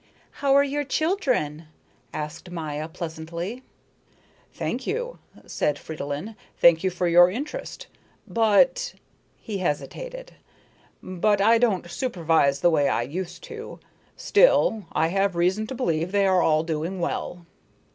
"How are your children?" asked Maya pleasantly. "Thank you," said Fridolin, "thank you for your interest. But" he hesitated "but I don't supervise the way I used to. Still, I have reason to believe they are all doing well."